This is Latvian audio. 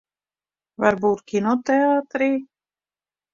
Varbūt kinoteātrī?